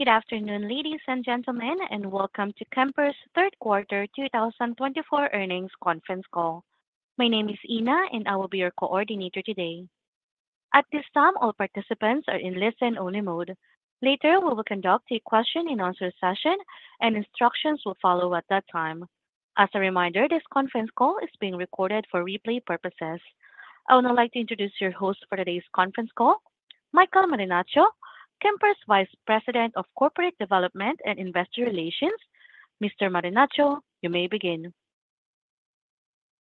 Good afternoon, ladies and gentlemen, and welcome to Kemper's Third Quarter 2024 earnings conference call. My name is Ina, and I will be your coordinator today. At this time, all participants are in listen-only mode. Later, we will conduct a question-and-answer session, and instructions will follow at that time. As a reminder, this conference call is being recorded for replay purposes. I would now like to introduce your host for today's conference call, Michael Marinaccio, Kemper's Vice President of Corporate Development and Investor Relations. Mr. Marinaccio, you may begin.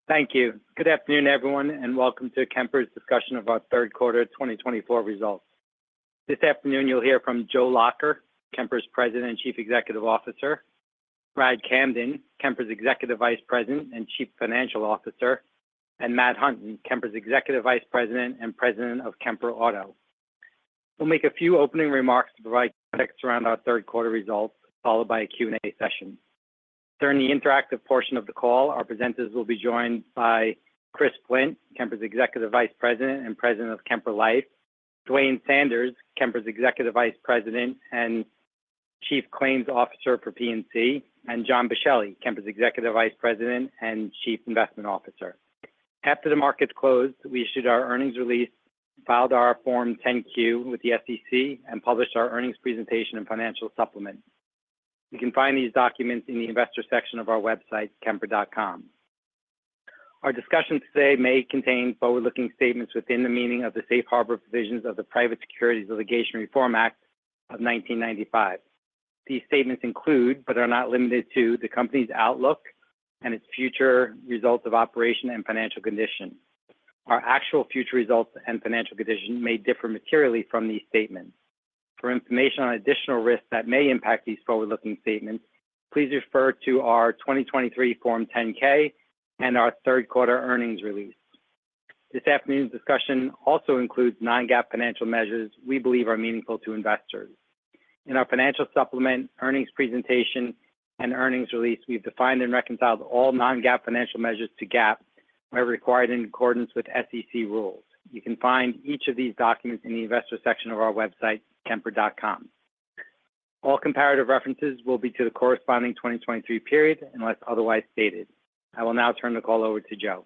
Thank you. Good afternoon, everyone, and welcome to Kemper's discussion of our Third Quarter 2024 results. This afternoon, you'll hear from Joe Lacher, Kemper's President and Chief Executive Officer, Bradley Camden, Kemper's Executive Vice President and Chief Financial Officer, and Matt Hunton, Kemper's Executive Vice President and President of Kemper Auto. We'll make a few opening remarks to provide context around our Third Quarter results, followed by a Q&A session. During the interactive portion of the call, our presenters will be joined by Chris Flint, Kemper's Executive Vice President and President of Kemper Life, Duane Sanders, Kemper's Executive Vice President and Chief Claims Officer for P&C, and John Boschelli, Kemper's Executive Vice President and Chief Investment Officer. After the markets closed, we issued our earnings release, filed our Form 10-Q with the SEC, and published our earnings presentation and financial supplement. You can find these documents in the investor section of our website, kemper.com. Our discussion today may contain forward-looking statements within the meaning of the Safe Harbor Provisions of the Private Securities Litigation Reform Act of 1995. These statements include, but are not limited to, the company's outlook and its future results of operations and financial condition. Our actual future results and financial condition may differ materially from these statements. For information on additional risks that may impact these forward-looking statements, please refer to our 2023 Form 10-K and our Third Quarter earnings release. This afternoon's discussion also includes non-GAAP financial measures we believe are meaningful to investors. In our financial supplement, earnings presentation, and earnings release, we've defined and reconciled all non-GAAP financial measures to GAAP where required in accordance with SEC rules. You can find each of these documents in the investor section of our website, kemper.com. All comparative references will be to the corresponding 2023 period unless otherwise stated. I will now turn the call over to Joe.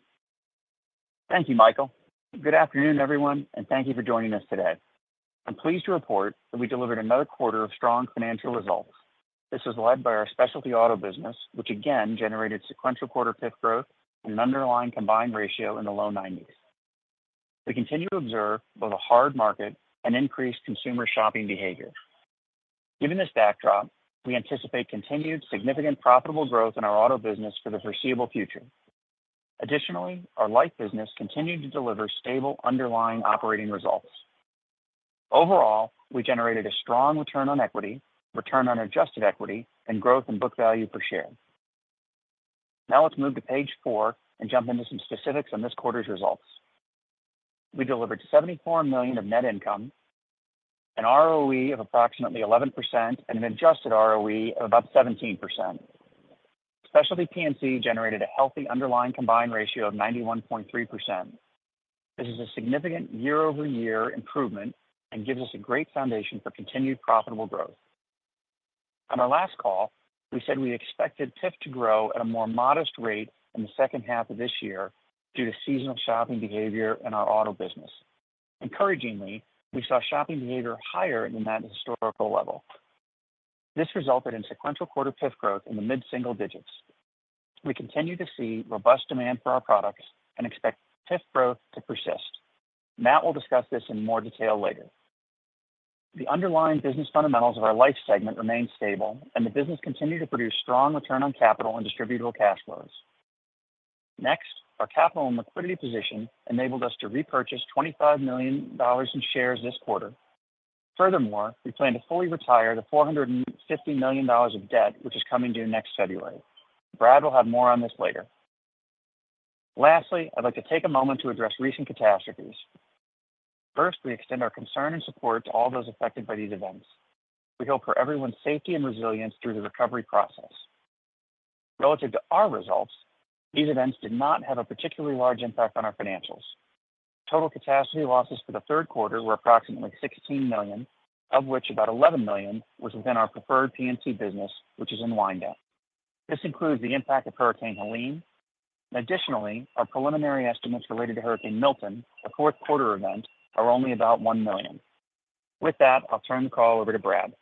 Thank you, Michael. Good afternoon, everyone, and thank you for joining us today. I'm pleased to report that we delivered another quarter of strong financial results. This was led by our specialty auto business, which again generated sequential quarter-over-quarter growth and an underlying combined ratio in the low 90s. We continue to observe both a hard market and increased consumer shopping behavior. Given this backdrop, we anticipate continued significant profitable growth in our auto business for the foreseeable future. Additionally, our life business continued to deliver stable underlying operating results. Overall, we generated a strong return on equity, return on adjusted equity, and growth in book value per share. Now let's move to page four and jump into some specifics on this quarter's results. We delivered $74 million of net income, an ROE of approximately 11%, and an adjusted ROE of about 17%. Specialty P&C generated a healthy underlying combined ratio of 91.3%. This is a significant year-over-year improvement and gives us a great foundation for continued profitable growth. On our last call, we said we expected PIF to grow at a more modest rate in the second half of this year due to seasonal shopping behavior in our auto business. Encouragingly, we saw shopping behavior higher than that historical level. This resulted in sequential quarter-over-quarter growth in the mid-single digits. We continue to see robust demand for our products and expect PIF growth to persist. Matt will discuss this in more detail later. The underlying business fundamentals of our life segment remained stable, and the business continued to produce strong return on capital and distributable cash flows. Next, our capital and liquidity position enabled us to repurchase $25 million in shares this quarter. Furthermore, we plan to fully retire the $450 million of debt, which is coming due next February. Brad will have more on this later. Lastly, I'd like to take a moment to address recent catastrophes. First, we extend our concern and support to all those affected by these events. We hope for everyone's safety and resilience through the recovery process. Relative to our results, these events did not have a particularly large impact on our financials. Total catastrophe losses for the third quarter were approximately $16 million, of which about $11 million was within our preferred P&C business, which is in windup. This includes the impact of Hurricane Helene. Additionally, our preliminary estimates related to Hurricane Milton, the fourth quarter event, are only about $1 million. With that, I'll turn the call over to Brad.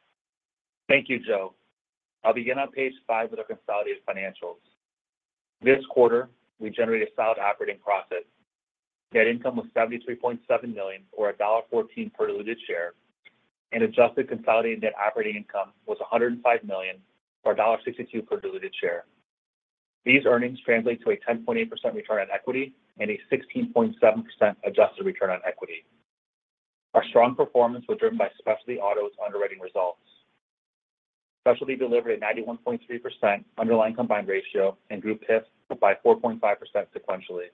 Thank you, Joe. I'll begin on page five with our consolidated financials. This quarter, we generated a solid operating profit. Net income was $73.7 million, or $1.14 per diluted share, and adjusted consolidated net operating income was $105 million, or $1.62 per diluted share. These earnings translate to a 10.8% return on equity and a 16.7% adjusted return on equity. Our strong performance was driven by specialty auto's underwriting results. Specialty delivered a 91.3% underlying combined ratio and grew PIF by 4.5% sequentially.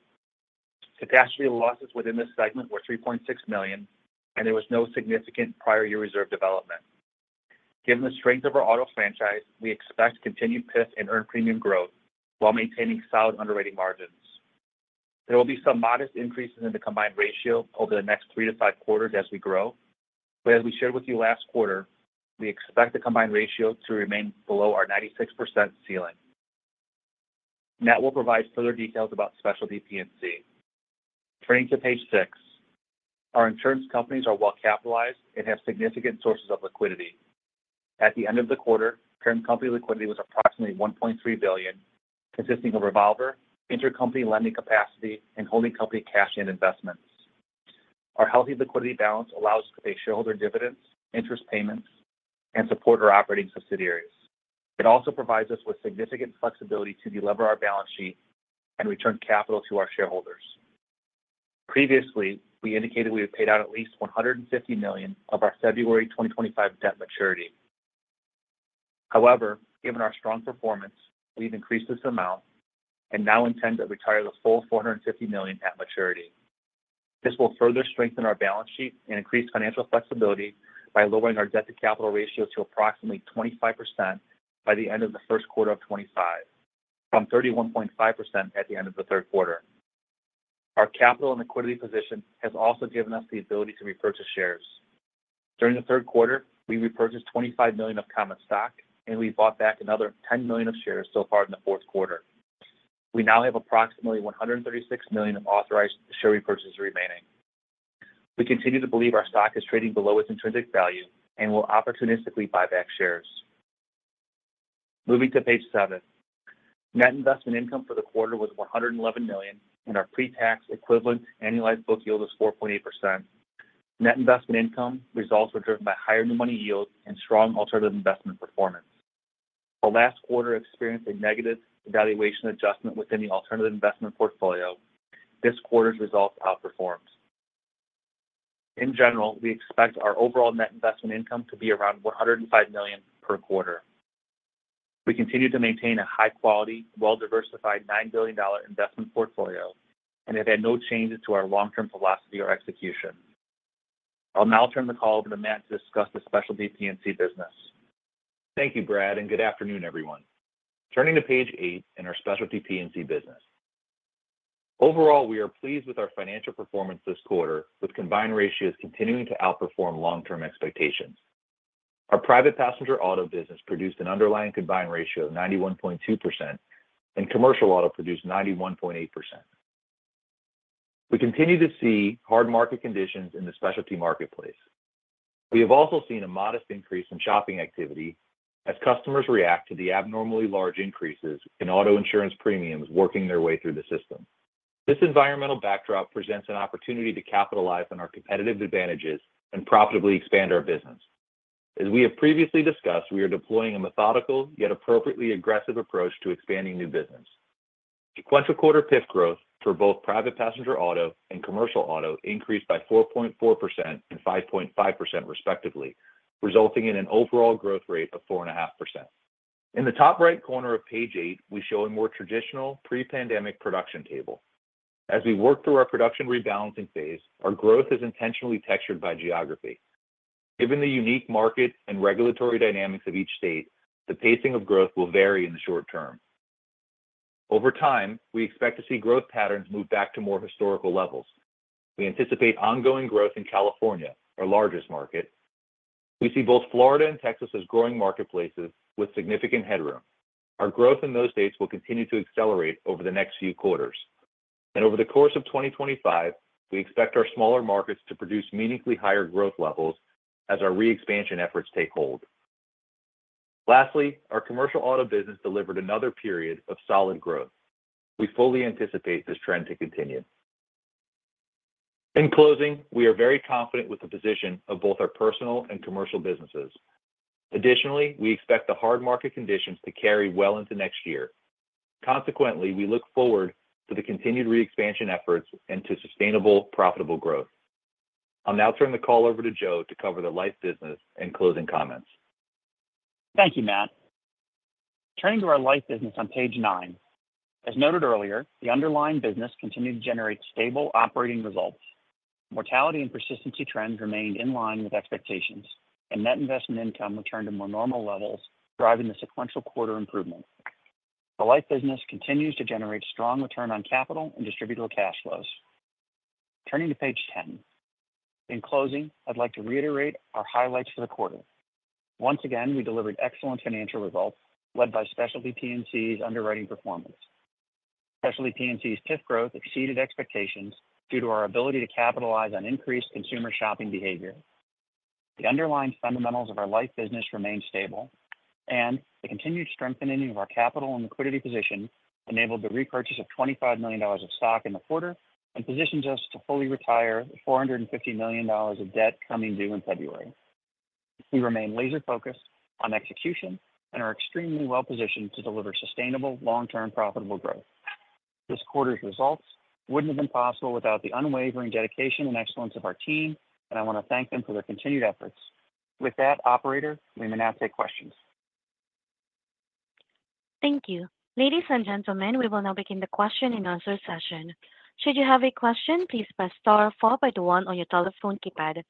Catastrophe losses within this segment were $3.6 million, and there was no significant prior year reserve development. Given the strength of our auto franchise, we expect continued PIF and earned premium growth while maintaining solid underwriting margins. There will be some modest increases in the combined ratio over the next three to five quarters as we grow. But as we shared with you last quarter, we expect the combined ratio to remain below our 96% ceiling. Matt will provide further details about Specialty P&C. Turning to page six, our insurance companies are well-capitalized and have significant sources of liquidity. At the end of the quarter, holding company liquidity was approximately $1.3 billion, consisting of revolver, intercompany lending capacity, and holding company cash and investments. Our healthy liquidity balance allows us to pay shareholder dividends, interest payments, and support our operating subsidiaries. It also provides us with significant flexibility to delever our balance sheet and return capital to our shareholders. Previously, we indicated we had paid out at least $150 million of our February 2025 debt maturity. However, given our strong performance, we've increased this amount and now intend to retire the full $450 million at maturity. This will further strengthen our balance sheet and increase financial flexibility by lowering our debt-to-capital ratio to approximately 25% by the end of the first quarter of 2025, from 31.5% at the end of the third quarter. Our capital and liquidity position has also given us the ability to repurchase shares. During the third quarter, we repurchased $25 million of common stock, and we bought back another $10 million of shares so far in the fourth quarter. We now have approximately $136 million of authorized share repurchases remaining. We continue to believe our stock is trading below its intrinsic value and will opportunistically buy back shares. Moving to page seven, net investment income for the quarter was $111 million, and our pre-tax equivalent annualized book yield was 4.8%. Net investment income results were driven by higher new money yield and strong alternative investment performance. Our last quarter experienced a negative valuation adjustment within the alternative investment portfolio. This quarter's results outperformed. In general, we expect our overall net investment income to be around $105 million per quarter. We continue to maintain a high-quality, well-diversified $9 billion investment portfolio and have had no changes to our long-term philosophy or execution. I'll now turn the call over to Matt to discuss the Specialty P&C business. Thank you, Brad, and good afternoon, everyone. Turning to page eight in our Specialty P&C business. Overall, we are pleased with our financial performance this quarter, with combined ratios continuing to outperform long-term expectations. Our private passenger auto business produced an underlying combined ratio of 91.2%, and commercial auto produced 91.8%. We continue to see hard market conditions in the specialty marketplace. We have also seen a modest increase in shopping activity as customers react to the abnormally large increases in auto insurance premiums working their way through the system. This environmental backdrop presents an opportunity to capitalize on our competitive advantages and profitably expand our business. As we have previously discussed, we are deploying a methodical yet appropriately aggressive approach to expanding new business. Sequential quarter-over-quarter growth for both private passenger auto and commercial auto increased by 4.4% and 5.5%, respectively, resulting in an overall growth rate of 4.5%. In the top right corner of page eight, we show a more traditional pre-pandemic production table. As we work through our production rebalancing phase, our growth is intentionally textured by geography. Given the unique market and regulatory dynamics of each state, the pacing of growth will vary in the short term. Over time, we expect to see growth patterns move back to more historical levels. We anticipate ongoing growth in California, our largest market. We see both Florida and Texas as growing marketplaces with significant headroom. Our growth in those states will continue to accelerate over the next few quarters, and over the course of 2025, we expect our smaller markets to produce meaningfully higher growth levels as our re-expansion efforts take hold. Lastly, our commercial auto business delivered another period of solid growth. We fully anticipate this trend to continue. In closing, we are very confident with the position of both our personal and commercial businesses. Additionally, we expect the hard market conditions to carry well into next year. Consequently, we look forward to the continued re-expansion efforts and to sustainable, profitable growth. I'll now turn the call over to Joe to cover the life business and closing comments. Thank you, Matt. Turning to our life business on page nine, as noted earlier, the underlying business continued to generate stable operating results. Mortality and persistency trends remained in line with expectations, and net investment income returned to more normal levels, driving the sequential quarter improvement. The life business continues to generate strong return on capital and distributable cash flows. Turning to page ten, in closing, I'd like to reiterate our highlights for the quarter. Once again, we delivered excellent financial results led by Specialty P&C's underwriting performance. Specialty P&C's PIF growth exceeded expectations due to our ability to capitalize on increased consumer shopping behavior. The underlying fundamentals of our life business remain stable, and the continued strengthening of our capital and liquidity position enabled the repurchase of $25 million of stock in the quarter and positions us to fully retire the $450 million of debt coming due in February. We remain laser-focused on execution and are extremely well-positioned to deliver sustainable, long-term profitable growth. This quarter's results wouldn't have been possible without the unwavering dedication and excellence of our team, and I want to thank them for their continued efforts. With that, operator, we may now take questions. Thank you. Ladies and gentlemen, we will now begin the question and answer session. Should you have a question, please press star followed by the one on your telephone keypad.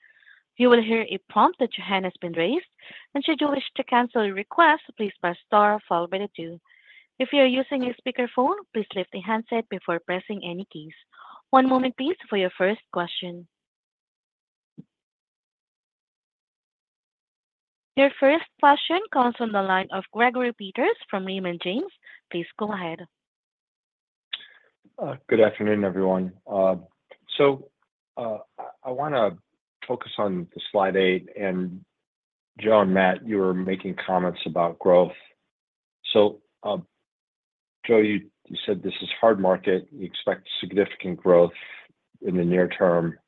You will hear a prompt that your hand has been raised. And should you wish to cancel a request, please press star followed by the two. If you are using a speakerphone, please lift the handset before pressing any keys. One moment, please, for your first question. Your first question comes from the line of Gregory Peters from Raymond James. Please go ahead. Good afternoon, everyone. So I want to focus on the slide eight. And Joe and Matt, you were making comments about growth. So Joe, you said this is hard market. You expect significant growth in the near term.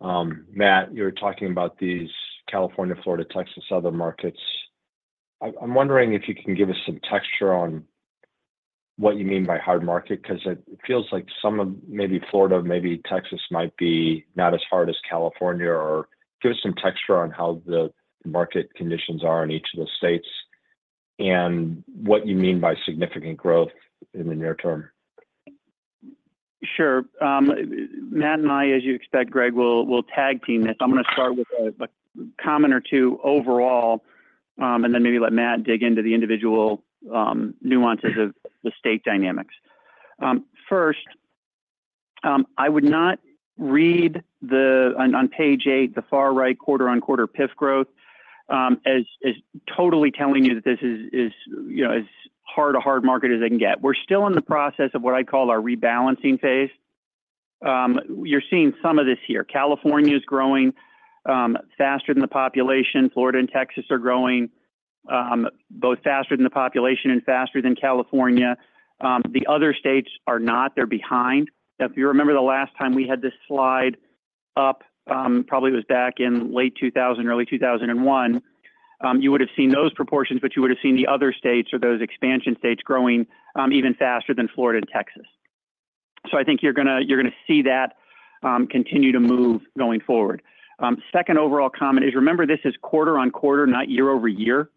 Matt, you were talking about these California, Florida, Texas, other markets. I'm wondering if you can give us some texture on what you mean by hard market because it feels like some of maybe Florida, maybe Texas might be not as hard as California. Or give us some texture on how the market conditions are in each of the states and what you mean by significant growth in the near term. Sure. Matt and I, as you expect, Greg, will tag team this. I'm going to start with a comment or two overall, and then maybe let Matt dig into the individual nuances of the state dynamics. First, I would not read on page eight the far right quarter-on-quarter PIF growth as totally telling you that this is as hard a hard market as it can get. We're still in the process of what I call our rebalancing phase. You're seeing some of this here. California is growing faster than the population. Florida and Texas are growing both faster than the population and faster than California. The other states are not. They're behind. If you remember the last time we had this slide up, probably it was back in late 2000, early 2001, you would have seen those proportions, but you would have seen the other states or those expansion states growing even faster than Florida and Texas. So I think you're going to see that continue to move going forward. Second overall comment is, remember, this is quarter-on-quarter, not year-over-year.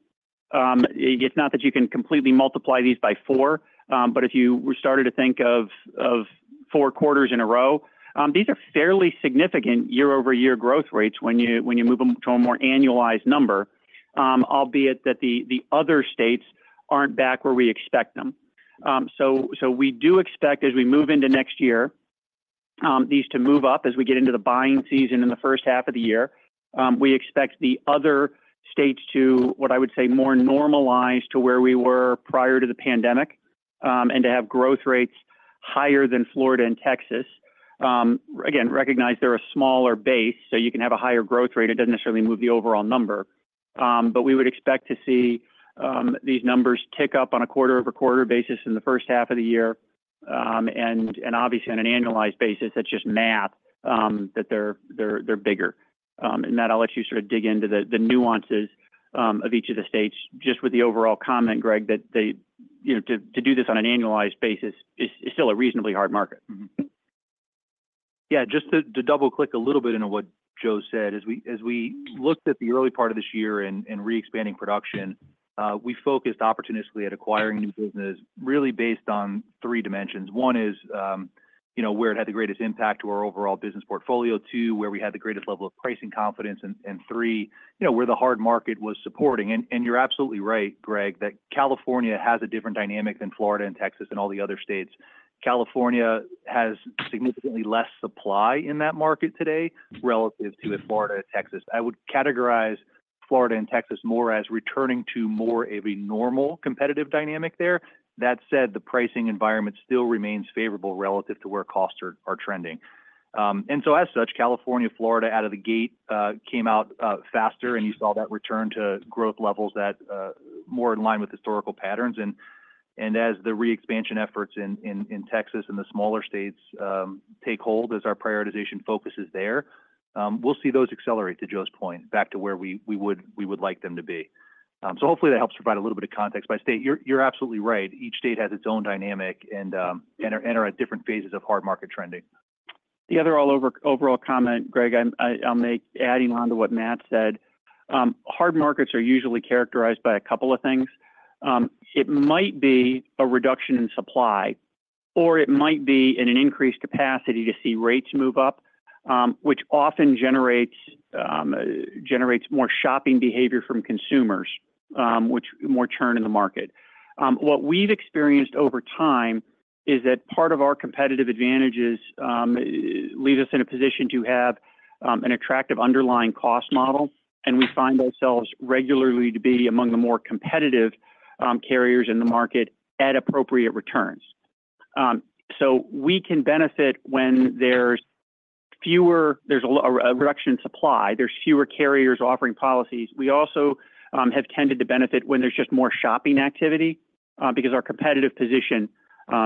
It's not that you can completely multiply these by four, but if you started to think of four quarters in a row, these are fairly significant year-over-year growth rates when you move them to a more annualized number, albeit that the other states aren't back where we expect them. So we do expect, as we move into next year, these to move up as we get into the buying season in the first half of the year. We expect the other states to, what I would say, more normalize to where we were prior to the pandemic and to have growth rates higher than Florida and Texas. Again, recognize they're a smaller base, so you can have a higher growth rate. It doesn't necessarily move the overall number. But we would expect to see these numbers tick up on a quarter-over-quarter basis in the first half of the year. And obviously, on an annualized basis, that's just math that they're bigger. And Matt, I'll let you sort of dig into the nuances of each of the states. Just with the overall comment, Greg, that to do this on an annualized basis is still a reasonably hard market. Yeah. Just to double-click a little bit into what Joe said, as we looked at the early part of this year and re-expanding production, we focused opportunistically at acquiring new business really based on three dimensions. One is where it had the greatest impact to our overall business portfolio. Two, where we had the greatest level of pricing confidence. And three, where the hard market was supporting. And you're absolutely right, Greg, that California has a different dynamic than Florida and Texas and all the other states. California has significantly less supply in that market today relative to Florida and Texas. I would categorize Florida and Texas more as returning to more of a normal competitive dynamic there. That said, the pricing environment still remains favorable relative to where costs are trending. And so as such, California, Florida out of the gate came out faster, and you saw that return to growth levels that are more in line with historical patterns. And as the re-expansion efforts in Texas and the smaller states take hold as our prioritization focus is there, we'll see those accelerate, to Joe's point, back to where we would like them to be. So hopefully, that helps provide a little bit of context. But state, you're absolutely right. Each state has its own dynamic and are at different phases of hard market trending. The other overall comment, Greg, I'll make adding on to what Matt said. Hard markets are usually characterized by a couple of things. It might be a reduction in supply, or it might be an increased capacity to see rates move up, which often generates more shopping behavior from consumers, which more churn in the market. What we've experienced over time is that part of our competitive advantages leave us in a position to have an attractive underlying cost model, and we find ourselves regularly to be among the more competitive carriers in the market at appropriate returns. So we can benefit when there's a reduction in supply. There's fewer carriers offering policies. We also have tended to benefit when there's just more shopping activity because our competitive position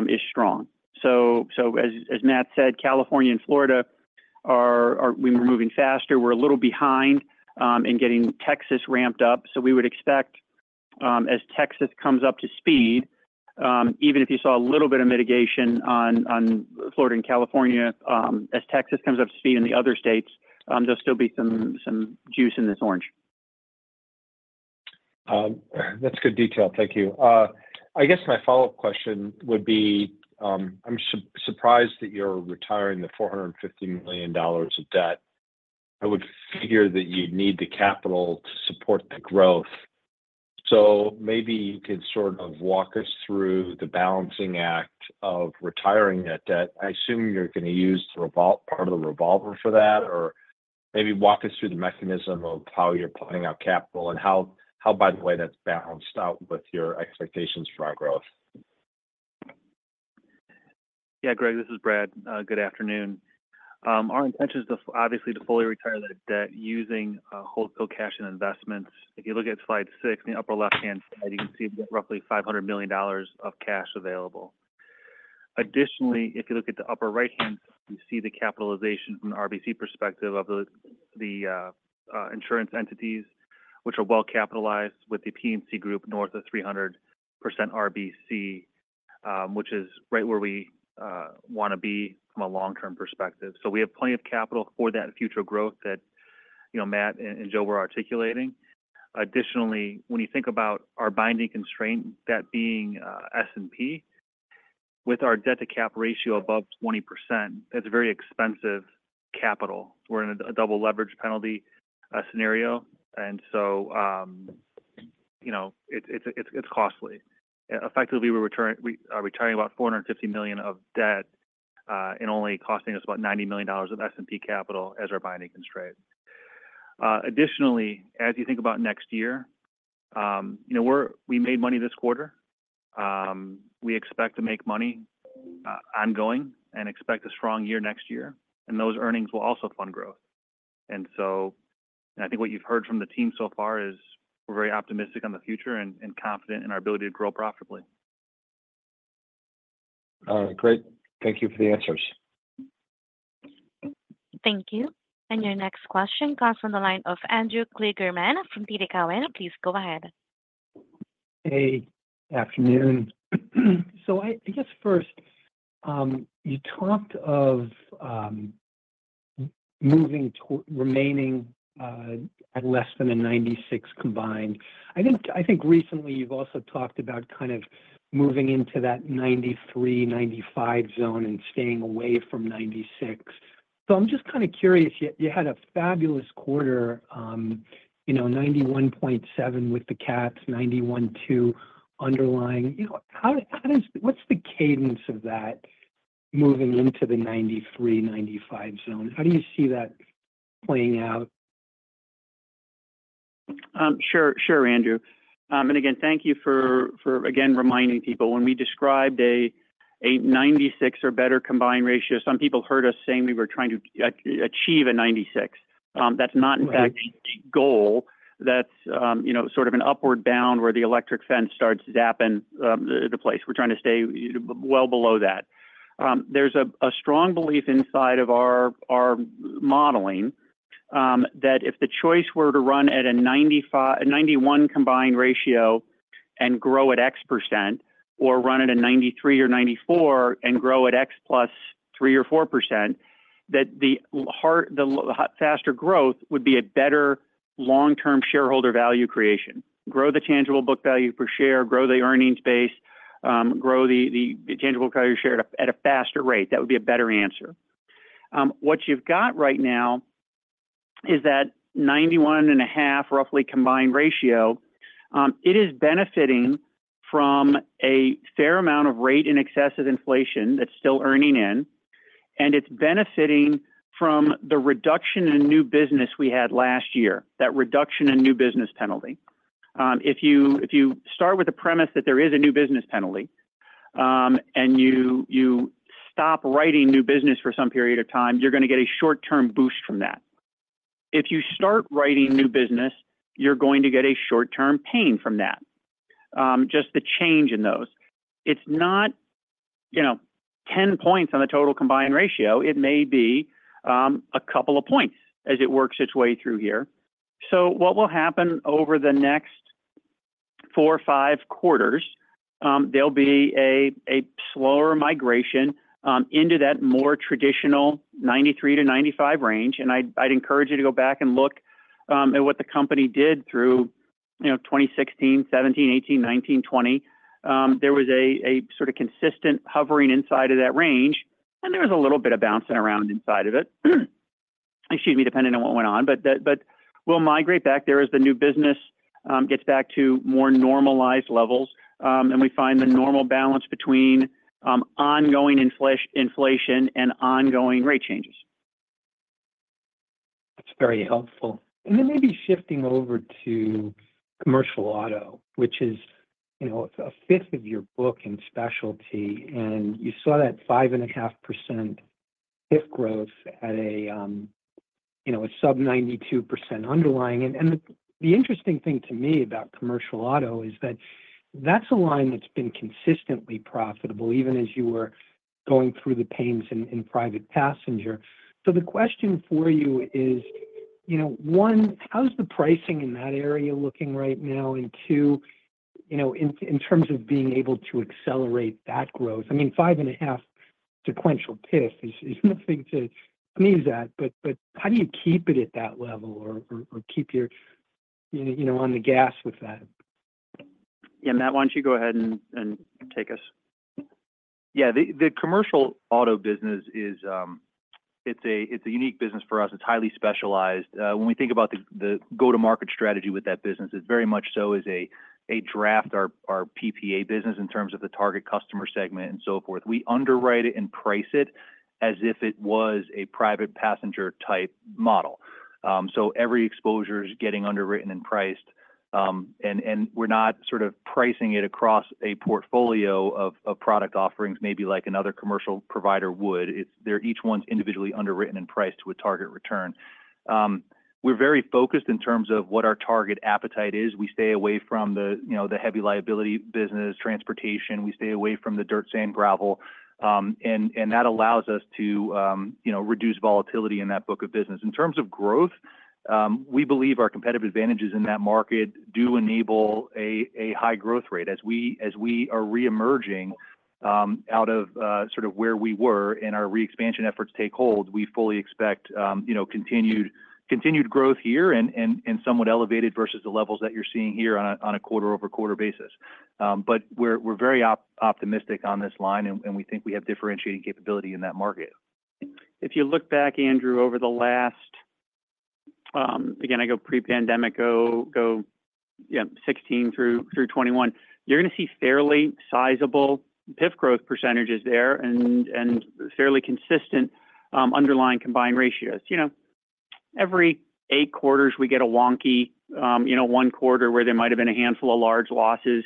is strong. So as Matt said, California and Florida, we're moving faster. We're a little behind in getting Texas ramped up. So we would expect, as Texas comes up to speed, even if you saw a little bit of mitigation on Florida and California, as Texas comes up to speed in the other states, there'll still be some juice in this orange. That's good detail. Thank you. I guess my follow-up question would be, I'm surprised that you're retiring the $450 million of debt. I would figure that you'd need the capital to support the growth. So maybe you could sort of walk us through the balancing act of retiring that debt. I assume you're going to use part of the revolver for that, or maybe walk us through the mechanism of how you're pulling out capital and how, by the way, that's balanced out with your expectations for our growth. Yeah, Greg, this is Brad. Good afternoon. Our intention is obviously to fully retire that debt using Holdco cash and investments. If you look at slide six, in the upper left-hand side, you can see we've got roughly $500 million of cash available. Additionally, if you look at the upper right-hand side, you see the capitalization from the RBC perspective of the insurance entities, which are well capitalized with the P&C group north of 300% RBC, which is right where we want to be from a long-term perspective. So we have plenty of capital for that future growth that Matt and Joe were articulating. Additionally, when you think about our binding constraint, that being S&P, with our debt-to-cap ratio above 20%, that's a very expensive capital. We're in a double-leverage penalty scenario, and so it's costly. Effectively, we're retiring about $450 million of debt and only costing us about $90 million of S&P capital as our binding constraint. Additionally, as you think about next year, we made money this quarter. We expect to make money ongoing and expect a strong year next year, and those earnings will also fund growth, and so I think what you've heard from the team so far is we're very optimistic on the future and confident in our ability to grow profitably. All right. Great. Thank you for the answers. Thank you. And your next question comes from the line of Andrew Kligerman from TD Cowen. Please go ahead. Hey. Afternoon. So I guess first, you talked of remaining at less than a 96 combined. I think recently you've also talked about kind of moving into that 93-95 zone and staying away from 96. So I'm just kind of curious. You had a fabulous quarter, 91.7 with the cats, 91.2 underlying. What's the cadence of that moving into the 93-95 zone? How do you see that playing out? Sure. Sure, Andrew. And again, thank you for, again, reminding people. When we described a 96 or better combined ratio, some people heard us saying we were trying to achieve a 96. That's not, in fact, the goal. That's sort of an upward bound where the electric fence starts zapping into place. We're trying to stay well below that. There's a strong belief inside of our modeling that if the choice were to run at a 91 combined ratio and grow at X%, or run at a 93 or 94 and grow at X plus 3% or 4%, that the faster growth would be a better long-term shareholder value creation. Grow the tangible book value per share, grow the earnings base, grow the tangible value share at a faster rate. That would be a better answer. What you've got right now is that 91.5 roughly combined ratio. It is benefiting from a fair amount of rate in excess of inflation that's still earning in, and it's benefiting from the reduction in new business we had last year, that reduction in new business penalty. If you start with the premise that there is a new business penalty and you stop writing new business for some period of time, you're going to get a short-term boost from that. If you start writing new business, you're going to get a short-term pain from that, just the change in those. It's not 10 points on the total combined ratio. It may be a couple of points as it works its way through here. So what will happen over the next four, five quarters, there'll be a slower migration into that more traditional 93%-95% range. And I'd encourage you to go back and look at what the company did through 2016, 2017, 2018, 2019, 2020. There was a sort of consistent hovering inside of that range, and there was a little bit of bouncing around inside of it, excuse me, depending on what went on. But we'll migrate back there as the new business gets back to more normalized levels, and we find the normal balance between ongoing inflation and ongoing rate changes. That's very helpful. And then maybe shifting over to commercial auto, which is a fifth of your book in specialty, and you saw that 5.5% PIF growth at a sub-92% underlying. And the interesting thing to me about commercial auto is that that's a line that's been consistently profitable, even as you were going through the pains in private passenger. So the question for you is, one, how's the pricing in that area looking right now? And two, in terms of being able to accelerate that growth? I mean, 5.5 sequential PIF is nothing to sneeze at, but how do you keep it at that level or keep you on the gas with that? Yeah. Matt, why don't you go ahead and take us? Yeah. The commercial auto business, it's a unique business for us. It's highly specialized. When we think about the go-to-market strategy with that business, it's very much so as a draft our PPA business in terms of the target customer segment and so forth. We underwrite it and price it as if it was a private passenger-type model. So every exposure is getting underwritten and priced, and we're not sort of pricing it across a portfolio of product offerings, maybe like another commercial provider would. Each one's individually underwritten and priced to a target return. We're very focused in terms of what our target appetite is. We stay away from the heavy liability business, transportation. We stay away from the dirt, sand, gravel, and that allows us to reduce volatility in that book of business. In terms of growth, we believe our competitive advantages in that market do enable a high growth rate. As we are re-emerging out of sort of where we were and our re-expansion efforts take hold, we fully expect continued growth here and somewhat elevated versus the levels that you're seeing here on a quarter-over-quarter basis. But we're very optimistic on this line, and we think we have differentiating capability in that market. If you look back, Andrew, over the last, again, I go pre-pandemic, go 2016 through 2021, you're going to see fairly sizable PIF growth percentages there and fairly consistent underlying combined ratios. Every eight quarters, we get a wonky one quarter where there might have been a handful of large losses,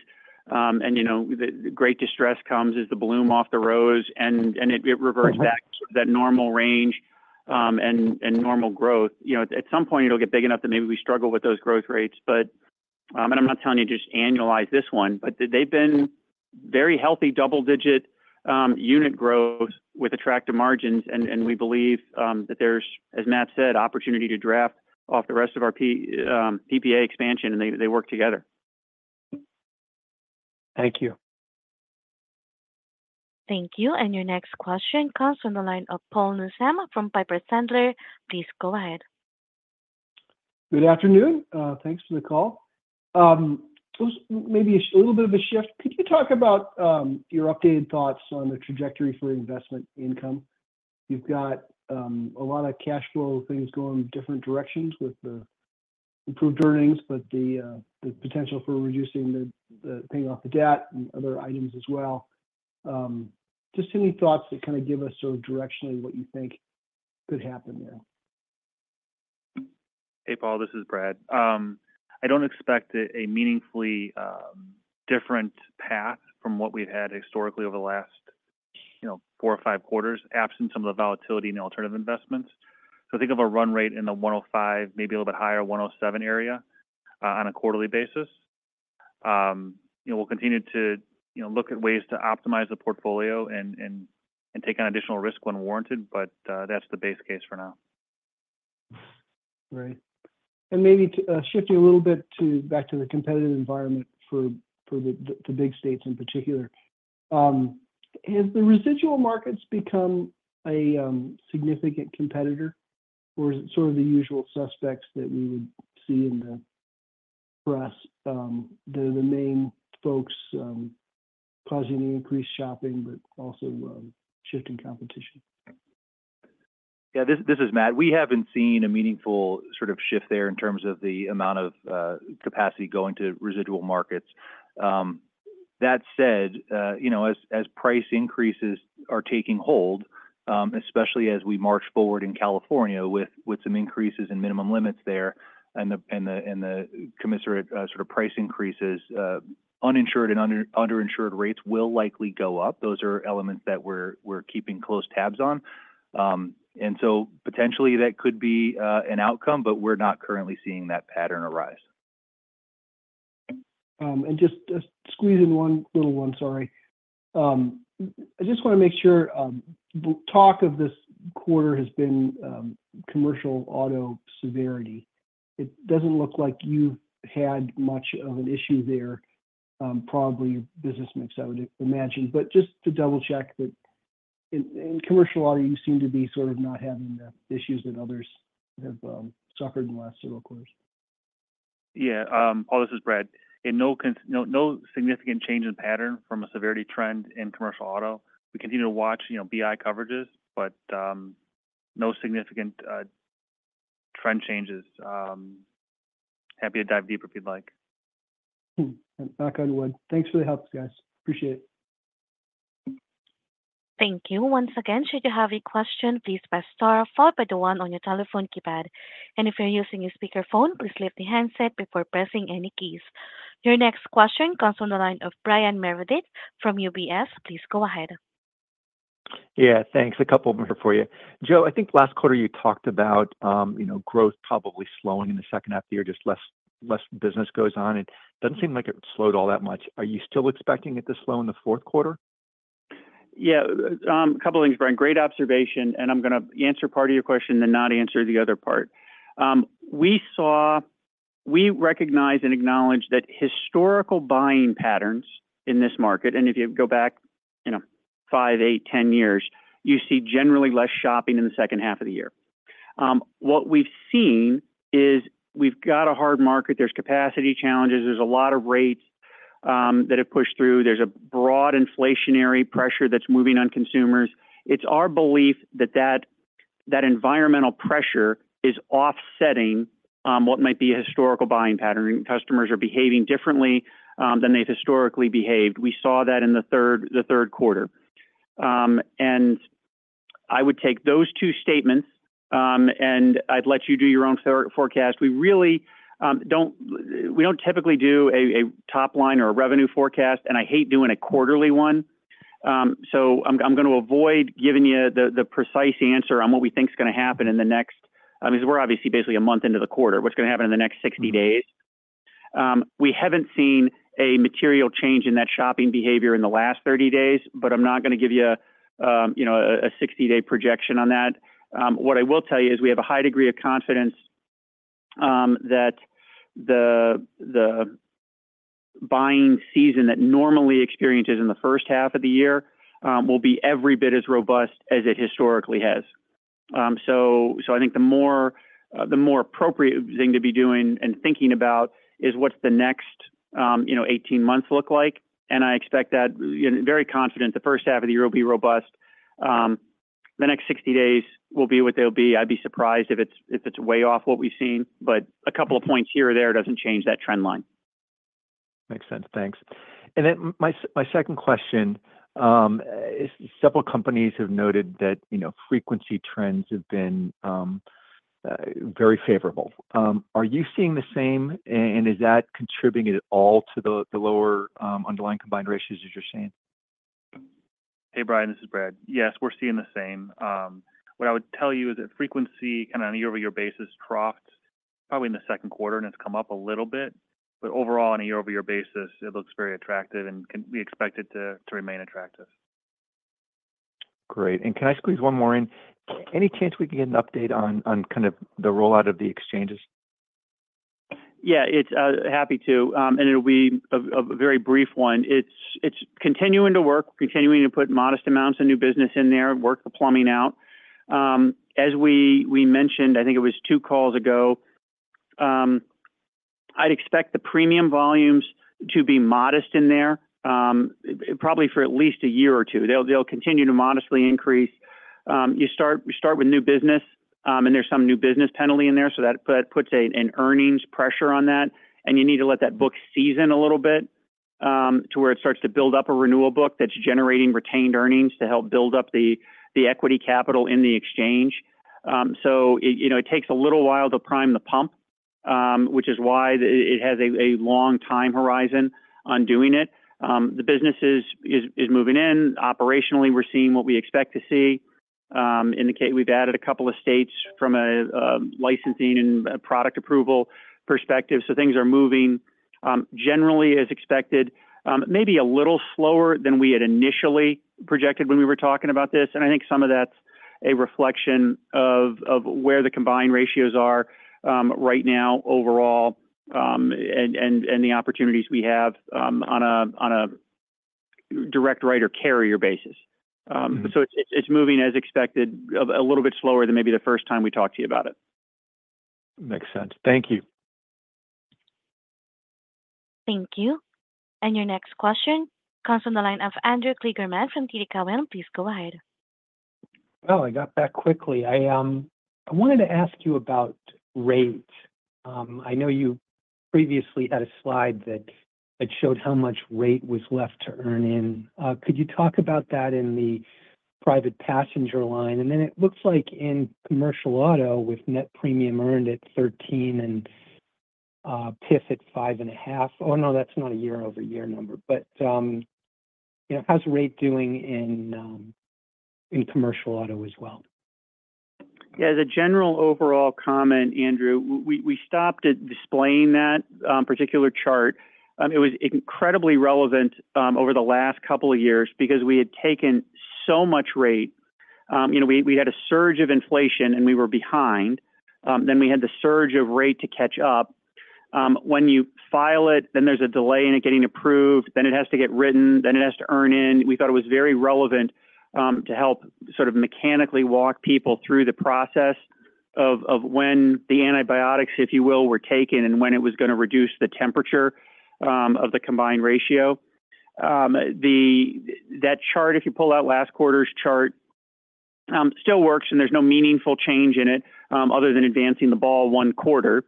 and great distress comes as the bloom off the rose, and it reverts back to that normal range and normal growth. At some point, it'll get big enough that maybe we struggle with those growth rates, and I'm not telling you to just annualize this one, but they've been very healthy double-digit unit growth with attractive margins, and we believe that there's, as Matt said, opportunity to draft off the rest of our PPA expansion, and they work together. Thank you. Thank you. And your next question comes from the line of Paul Newsome from Piper Sandler. Please go ahead. Good afternoon. Thanks for the call. Maybe a little bit of a shift. Could you talk about your updated thoughts on the trajectory for investment income? You've got a lot of cash flow things going different directions with the improved earnings, but the potential for reducing the paying off the debt and other items as well. Just any thoughts that kind of give us sort of directionally what you think could happen there? Hey, Paul. This is Brad. I don't expect a meaningfully different path from what we've had historically over the last four or five quarters, absent some of the volatility in alternative investments. Think of a run rate in the 105, maybe a little bit higher, 107 area on a quarterly basis. We'll continue to look at ways to optimize the portfolio and take on additional risk when warranted, but that's the base case for now. Right. And maybe shifting a little bit back to the competitive environment for the big states in particular, have the residual markets become a significant competitor, or is it sort of the usual suspects that we would see in the press, the main folks causing the increased shopping, but also shifting competition? Yeah. This is Matt. We haven't seen a meaningful sort of shift there in terms of the amount of capacity going to residual markets. That said, as price increases are taking hold, especially as we march forward in California with some increases in minimum limits there and the commissioner sort of price increases, uninsured and underinsured rates will likely go up. Those are elements that we're keeping close tabs on. And so potentially that could be an outcome, but we're not currently seeing that pattern arise. And just squeeze in one little one, sorry. I just want to make sure the talk of this quarter has been commercial auto severity. It doesn't look like you've had much of an issue there, probably business mix, I would imagine. But just to double-check that in commercial auto, you seem to be sort of not having the issues that others have suffered in the last several quarters? Yeah. Paul, this is Brad. No significant change in pattern from a severity trend in commercial auto. We continue to watch BI coverages, but no significant trend changes. Happy to dive deeper if you'd like. Knock on wood. Thanks for the help, guys. Appreciate it. Thank you. Once again, should you have a question, please press star followed by the one on your telephone keypad. And if you're using a speakerphone, please lift the handset before pressing any keys. Your next question comes from the line of Brian Meredith from UBS. Please go ahead. Yeah. Thanks. A couple of them here for you. Joe, I think last quarter you talked about growth probably slowing in the second half of the year, just less business goes on. It doesn't seem like it slowed all that much. Are you still expecting it to slow in the fourth quarter? Yeah. A couple of things, Brian. Great observation, and I'm going to answer part of your question and then not answer the other part. We recognize and acknowledge that historical buying patterns in this market, and if you go back five, eight, 10 years, you see generally less shopping in the second half of the year. What we've seen is we've got a hard market. There's capacity challenges. There's a lot of rates that have pushed through. There's a broad inflationary pressure that's moving on consumers. It's our belief that that environmental pressure is offsetting what might be a historical buying pattern. Customers are behaving differently than they've historically behaved. We saw that in the third quarter, and I would take those two statements, and I'd let you do your own forecast. We don't typically do a top line or a revenue forecast, and I hate doing a quarterly one. So, I'm going to avoid giving you the precise answer on what we think is going to happen in the next because we're obviously basically a month into the quarter. What's going to happen in the next 60 days. We haven't seen a material change in that shopping behavior in the last 30 days, but I'm not going to give you a 60-day projection on that. What I will tell you is we have a high degree of confidence that the buying season that normally experiences in the first half of the year will be every bit as robust as it historically has. So I think the more appropriate thing to be doing and thinking about is what's the next 18 months look like. And I expect that very confident the first half of the year will be robust. The next 60 days will be what they'll be. I'd be surprised if it's way off what we've seen, but a couple of points here or there doesn't change that trend line. Makes sense. Thanks. And then my second question, several companies have noted that frequency trends have been very favorable. Are you seeing the same, and is that contributing at all to the lower underlying combined ratios as you're seeing? Hey, Brian. This is Brad. Yes, we're seeing the same. What I would tell you is that frequency kind of on a year-over-year basis troughed probably in the second quarter, and it's come up a little bit. But overall, on a year-over-year basis, it looks very attractive, and we expect it to remain attractive. Great, and can I squeeze one more in? Any chance we can get an update on kind of the rollout of the exchanges? Yeah. Happy to, and it'll be a very brief one. It's continuing to work, continuing to put modest amounts of new business in there, work the plumbing out. As we mentioned, I think it was two calls ago, I'd expect the premium volumes to be modest in there, probably for at least a year or two. They'll continue to modestly increase. You start with new business, and there's some new business penalty in there, so that puts an earnings pressure on that, and you need to let that book season a little bit to where it starts to build up a renewal book that's generating retained earnings to help build up the equity capital in the exchange, so it takes a little while to prime the pump, which is why it has a long time horizon on doing it. The business is moving in. Operationally, we're seeing what we expect to see. We've added a couple of states from a licensing and product approval perspective, so things are moving generally as expected, maybe a little slower than we had initially projected when we were talking about this, and I think some of that's a reflection of where the combined ratios are right now overall and the opportunities we have on a direct writer carrier basis, so it's moving as expected, a little bit slower than maybe the first time we talked to you about it. Makes sense. Thank you. Thank you. And your next question comes from the line of Andrew Kligerman from TD Cowen. Please go ahead. I got back quickly. I wanted to ask you about rates. I know you previously had a slide that showed how much rate was left to earn in. Could you talk about that in the private passenger line, and then it looks like in commercial auto with net premium earned at 13 and PIF at 5.5. Oh, no, that's not a year-over-year number, but how's rate doing in commercial auto as well? Yeah. The general overall comment, Andrew, we stopped at displaying that particular chart. It was incredibly relevant over the last couple of years because we had taken so much rate. We had a surge of inflation, and we were behind. Then we had the surge of rate to catch up. When you file it, then there's a delay in it getting approved. Then it has to get written. Then it has to earn in. We thought it was very relevant to help sort of mechanically walk people through the process of when the antibiotics, if you will, were taken and when it was going to reduce the temperature of the combined ratio. That chart, if you pull out last quarter's chart, still works, and there's no meaningful change in it other than advancing the ball one quarter.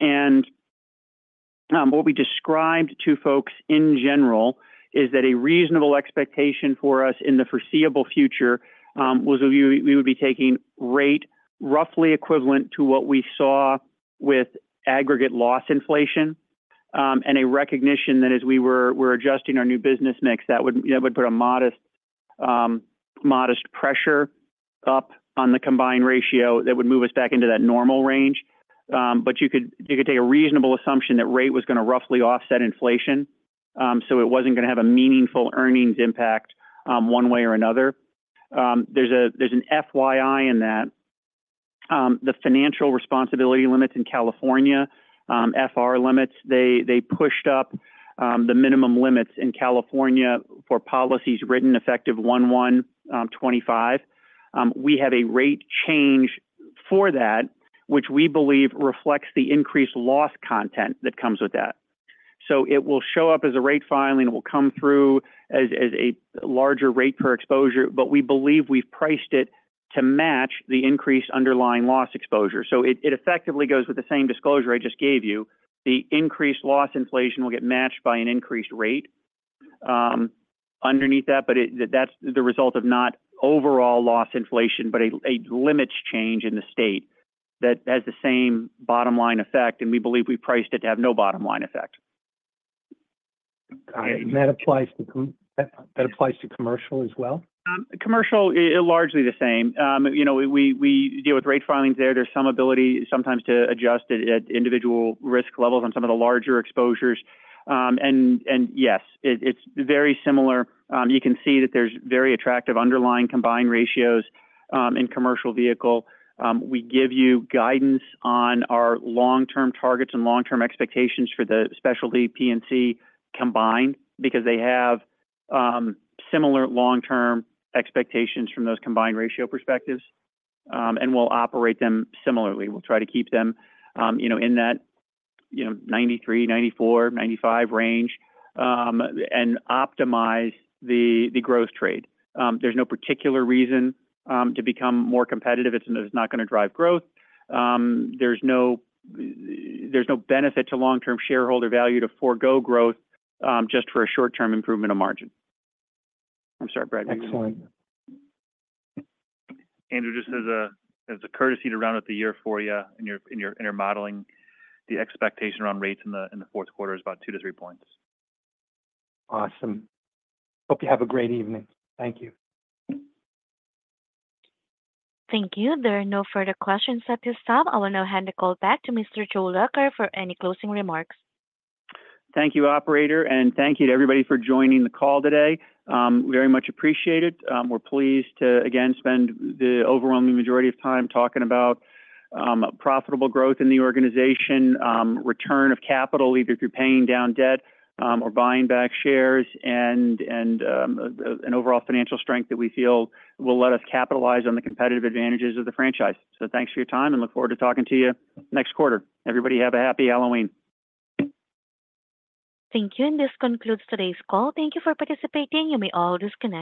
What we described to folks in general is that a reasonable expectation for us in the foreseeable future was we would be taking rate roughly equivalent to what we saw with aggregate loss inflation and a recognition that as we were adjusting our new business mix, that would put a modest pressure up on the combined ratio that would move us back into that normal range. You could take a reasonable assumption that rate was going to roughly offset inflation, so it wasn't going to have a meaningful earnings impact one way or another. There's an FYI in that. The financial responsibility limits in California, FR limits, they pushed up the minimum limits in California for policies written effective 1/1/2025. We have a rate change for that, which we believe reflects the increased loss content that comes with that. It will show up as a rate filing. It will come through as a larger rate per exposure, but we believe we've priced it to match the increased underlying loss exposure. So it effectively goes with the same disclosure I just gave you. The increased loss inflation will get matched by an increased rate underneath that, but that's the result of not overall loss inflation, but a limits change in the state that has the same bottom line effect, and we believe we priced it to have no bottom line effect. Got it. And that applies to commercial as well? Commercial, largely the same. We deal with rate filings there. There's some ability sometimes to adjust at individual risk levels on some of the larger exposures. And yes, it's very similar. You can see that there's very attractive underlying combined ratios in commercial vehicle. We give you guidance on our long-term targets and long-term expectations for the Specialty P&C combined because they have similar long-term expectations from those combined ratio perspectives. And we'll operate them similarly. We'll try to keep them in that 93, 94, 95 range and optimize the growth trade. There's no particular reason to become more competitive. It's not going to drive growth. There's no benefit to long-term shareholder value to forego growth just for a short-term improvement of margin. I'm sorry, Brad. Excellent. Andrew, just as a courtesy to round out the year for you in your modeling, the expectation around rates in the fourth quarter is about two to three points. Awesome. Hope you have a great evening. Thank you. Thank you. There are no further questions at this time. I will now hand the call back to Mr. Joe Lacher for any closing remarks. Thank you, operator, and thank you to everybody for joining the call today. Very much appreciated. We're pleased to again spend the overwhelming majority of time talking about profitable growth in the organization, return of capital either through paying down debt or buying back shares, and an overall financial strength that we feel will let us capitalize on the competitive advantages of the franchise. So, thanks for your time, and look forward to talking to you next quarter. Everybody, have a happy Halloween. Thank you. And this concludes today's call. Thank you for participating. You may always connect.